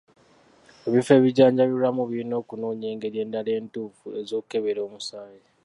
Ebifo ebijjanjabirwamu birina okunoonya engeri endala entuufu ez'okukebera omusaayi.